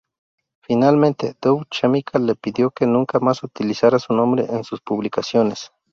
Finalmente, Dow Chemical le pidió que nunca más utilizara su nombre en sus publicaciones.